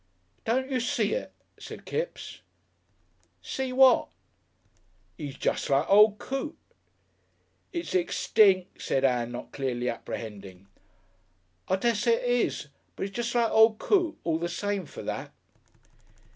"Don't you see it?" said Kipps. "See what?" "'E's jest like old Coote." "It's extinct," said Ann, not clearly apprehending. "I dessay 'e is. But 'e's jest like old Coote all the same for that."